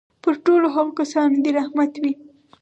پر ټولو هغو کسانو دي رحمت وي.